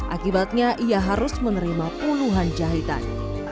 akibatnya ia harus menerima puluhan jahitan